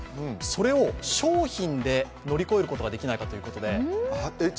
それを商品で乗り越えることができないかということで。